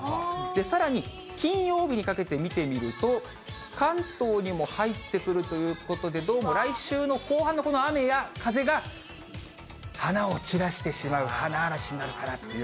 さらに金曜日にかけて見てみると、関東にも入ってくるということで、どうも来週の後半のこの雨や風が、花を散らしてしまう花嵐になるかなという。